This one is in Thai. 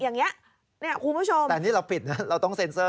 ไม่มีเลยอย่างนี้คุณผู้ชมแต่นี่เราปิดเราต้องเซ็นเซอร์